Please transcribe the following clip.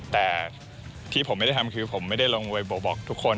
แต่ที่ผมไม่ได้ทำคือผมไม่ได้ลงไปบอกทุกคน